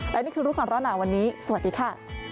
และนี่คือรู้ก่อนร้อนหนาวันนี้สวัสดีค่ะ